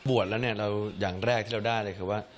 บวชแล้วเนี่ยเราอย่างแรกที่เราได้เลยคือว่า